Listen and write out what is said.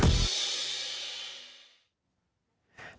มค